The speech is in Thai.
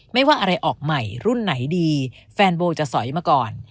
ไม่ว่าอะไรออกใหม่รุ่นไหนดีแฟนโบจะสอยมาก่อน